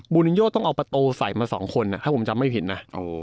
เบอร์นายโย่ต้องเอาไปโต้ใส่มา๒คนน่ะถ้าผมจำไม่ผิดนะ